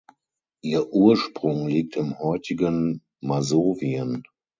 Ihr Ursprung liegt im heutigen Masowien.